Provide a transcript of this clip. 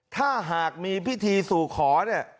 ถ้าหากมีพิธีสู่ขอเนี่ย